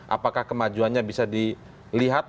apakah kemajuannya bisa dilihat